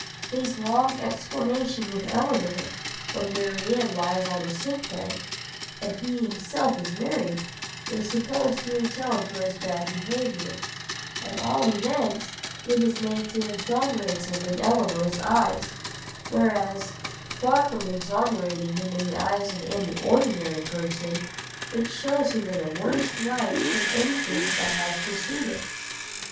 His long explanation with Elinor, when Marianne lies on a sick bed, and he himself is married, is supposed to atone for his bad behaviour; at all events it is made to exonerate him in Elinor's eyes, whereas, far from exonerating him in the eyes of any ordinary person, it shows him in a worse light than anything that has preceded.